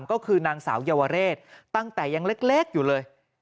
ก็คือนางสาวเยาวเรศตั้งแต่ยังเล็กอยู่เลย